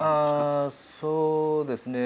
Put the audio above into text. ああそうですね。